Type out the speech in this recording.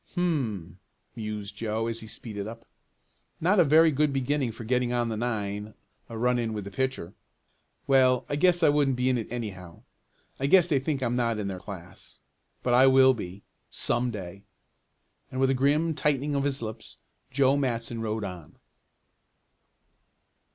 "Hum," mused Joe as he speeded up. "Not a very good beginning for getting on the nine a run in with the pitcher. Well, I guess I wouldn't be in it anyhow. I guess they think I'm not in their class. But I will be some day!" and with a grim tightening of his lips Joe Matson rode on.